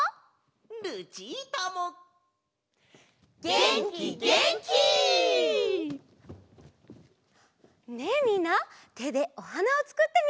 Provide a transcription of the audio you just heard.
げんきげんき！ねえみんなてでおはなをつくってみて！